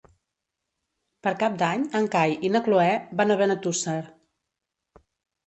Per Cap d'Any en Cai i na Cloè van a Benetússer.